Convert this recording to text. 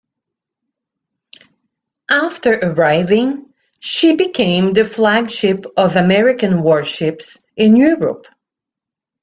After arriving, she became the flagship of American warships in Europe.